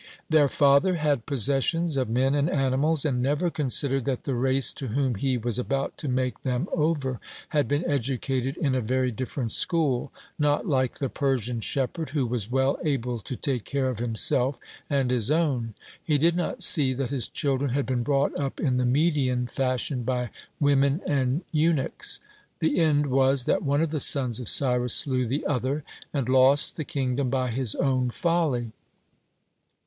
Their father had possessions of men and animals, and never considered that the race to whom he was about to make them over had been educated in a very different school, not like the Persian shepherd, who was well able to take care of himself and his own. He did not see that his children had been brought up in the Median fashion, by women and eunuchs. The end was that one of the sons of Cyrus slew the other, and lost the kingdom by his own folly.